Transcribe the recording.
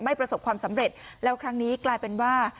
ประสบความสำเร็จแล้วครั้งนี้กลายเป็นว่า